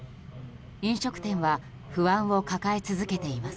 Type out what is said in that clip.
飲食店は不安を抱え続けています。